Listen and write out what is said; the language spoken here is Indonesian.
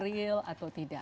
betul real atau tidak